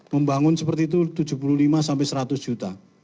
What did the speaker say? membangun seperti itu tujuh puluh lima sampai seratus juta